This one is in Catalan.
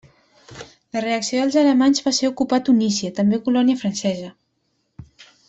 La reacció dels alemanys va ser ocupar Tunísia, també colònia francesa.